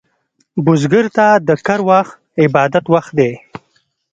بزګر ته د کر وخت عبادت وخت دی